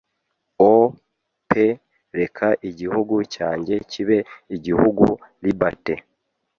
O pe reka igihugu cyanjye kibe igihugu Liberty